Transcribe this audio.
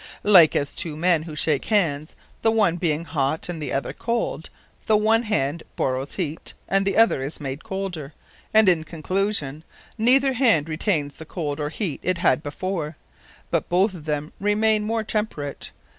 Like as two men, who shake hands, the one being hot, and the other cold, the one hand borrows heat, and the other is made colder; and in conclusion, neither hand retaines the cold, or heat it had before, but both of them remain more temperate.